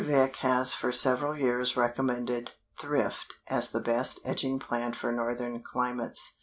Vick has for several years recommended Thrift as the best edging plant for northern climates.